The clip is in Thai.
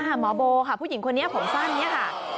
หมอโบค่ะผู้หญิงคนนี้ผมสร้างอย่างนี้ค่ะ